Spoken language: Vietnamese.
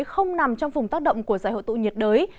không nằm trong vùng tác động của giải hội tụ nhiệt đới